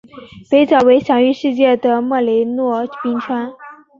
北角为享誉世界的莫雷诺冰川。